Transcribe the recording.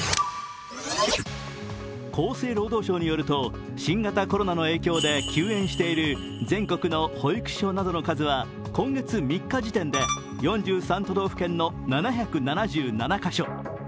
厚生労働省によると新型コロナの影響で休園している全国の保育所などの数は今月３日時点で４３都道府県の７７７カ所。